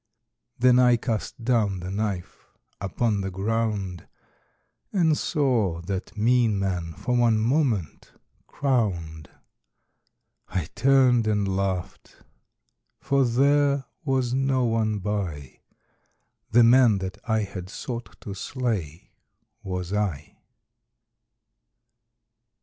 Then I cast down the knife upon the ground And saw that mean man for one moment crowned. I turned and laughed: for there was no one by The man that I had sought to slay was I.